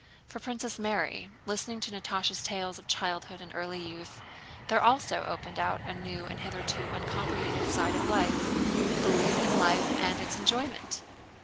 For Princess Mary, listening to Natásha's tales of childhood and early youth, there also opened out a new and hitherto uncomprehended side of life: belief in life and its enjoyment.